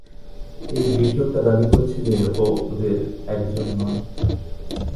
এই গ্রীক লোকটা দাবি করছে যে ও এদের একজন নয়।